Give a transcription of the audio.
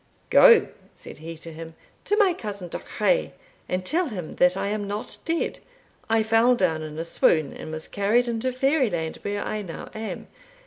'Go,' said he to him, 'to my cousin Duchray, and tell him that I am not dead. I fell down in a swoon, and was carried into Fairyland, where I now am.